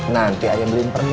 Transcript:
nanti ayah beliin permen